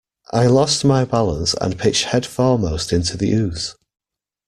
I lost my balance and pitched head foremost into the ooze.